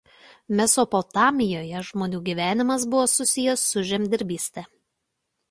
Mesopotamijoje žmonių gyvenimas buvo susijęs su žemdirbyste.